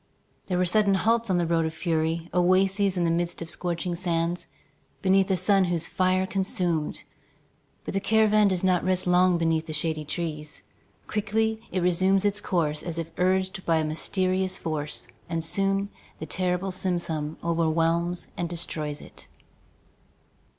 There were sudden halts on the road of fury, oases in the midst of scorching sands, beneath a sun whose fire consumed. But the caravan does not rest long beneath the shady trees. Quickly it resumes its course as if urged by a mysterious force, and soon the terrible simoom overwhelms and destroys it.